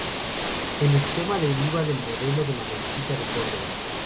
El esquema deriva del modelo de la mezquita de Córdoba.